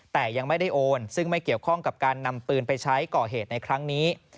แต่ยังไม่ได้โอนซึ่งไม่เกี่ยวข้องกับการนำปืนไปใช้ก่อเหตุในครั้งนี้